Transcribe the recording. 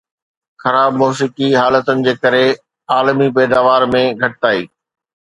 خراب موسمي حالتن جي ڪري عالمي پيداوار ۾ گهٽتائي